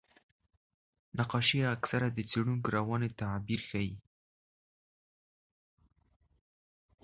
نقاشي اکثره د څېړونکو رواني تعبیر ښيي.